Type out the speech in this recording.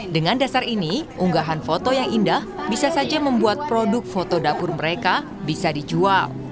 dengan dasar ini unggahan foto yang indah bisa saja membuat produk foto dapur mereka bisa dijual